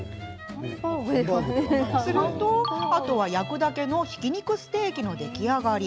すると、あとは焼くだけのひき肉ステーキの出来上がり。